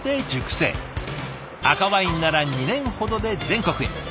赤ワインなら２年ほどで全国へ。